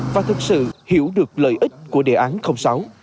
và thực sự hiểu được lợi ích của đề án sáu